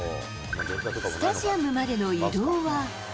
スタジアムまでの移動は。